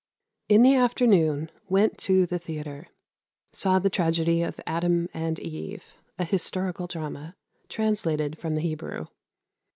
In the afternoon went to the theatre. Saw the tragedy of Adam and Eve, a historical drama, translated from the Hebrew.